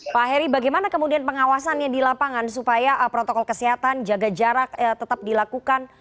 pak heri bagaimana kemudian pengawasannya di lapangan supaya protokol kesehatan jaga jarak tetap dilakukan